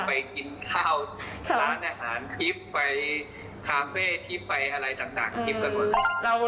ไปกินข้าวร้านอาหารทิพย์ไปคาเฟ่ที่ไปอะไรต่างทริปกันหมดเลย